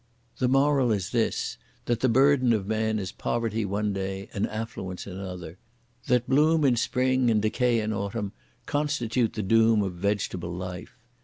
The moral is this, that the burden of man is poverty one day and affluence another; that bloom in spring, and decay in autumn, constitute the doom of vegetable life!